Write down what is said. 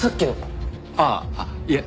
ああいえ